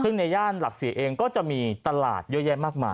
ซึ่งในย่านหลักศรีเองก็จะมีตลาดเยอะแยะมากมาย